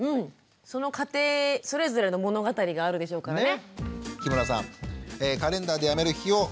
その家庭それぞれの物語があるでしょうからね。